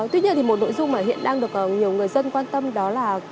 tuy nhiên thì một nội dung mà hiện đang được nhiều người dân quan tâm đó là